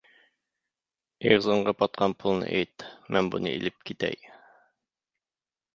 ئېغىزىڭغا پاتقان پۇلنى ئېيت، مەن بۇنى ئېلىپ كېتەي.